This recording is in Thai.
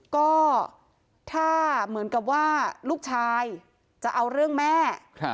ก็ถ้าเหมือนกับว่าลูกชายจะเอาเรื่องแม่